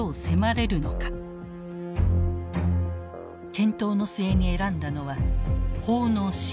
検討の末に選んだのは「法の支配」。